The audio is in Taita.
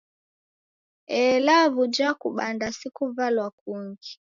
Ela sw'uja kubanda si kuvalwa kungi?